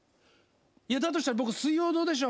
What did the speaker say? だとしたら僕「水曜どうでしょう」